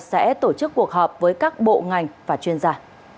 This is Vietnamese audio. sẽ tổ chức cuộc họp với các bộ ngành và chuyên gia